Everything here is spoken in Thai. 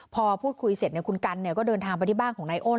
พอพูดคุยเสร็จคุณกันก็เดินทางไปที่บ้านของนายอ้น